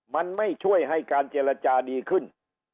มันไม่ช่วยให้การเจรจาดีขึ้น